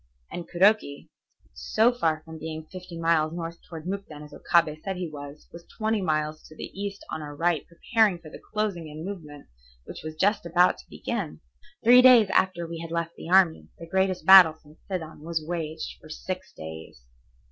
And Kuroki, so far from being fifty miles north toward Mukden as Okabe said he was, was twenty miles to the east on our right preparing for the closing in movement which was just about to begin. Three days after we had left the army, the greatest battle since Sedan was waged for six days.